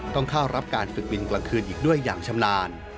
ต้องเข้ารับการฝึกบินกลางคืนอีกด้วยอย่างชำนาญ